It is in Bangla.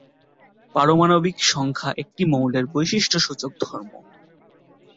পারমাণবিক সংখ্যা একটি মৌলের বৈশিষ্ট্যসূচক ধর্ম।